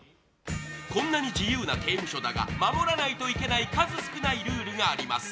こんなに自由な刑務所だが守らないといけない数少ないルールがあります。